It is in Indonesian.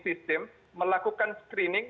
system melakukan screening